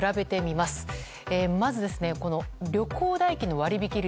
まず、旅行代金の割引率。